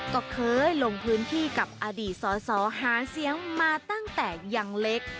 ก็เคยลงพื้นที่กับอดีตสอสอหาเสียงมาตั้งแต่ยังเล็ก